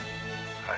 「はい」